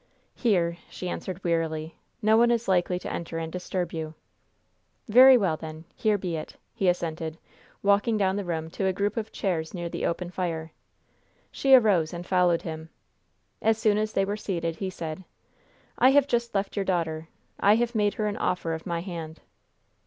"Here," she answered, wearily. "No one is likely to enter and disturb you." "Very well, then. Here be it," he assented, walking down the room to a group of chairs near the open fire. She arose and followed him. As soon as they were seated he said: "I have just left your daughter. I have made her an offer of my hand."